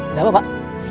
ada apa pak